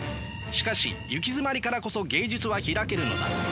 しかしゆきづまりからこそ芸術は開けるのだ。